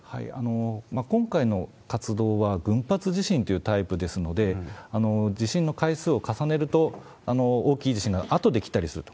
今回の活動は、群発地震というタイプですので、地震の回数を重ねると、大きい地震があとで来たりすると。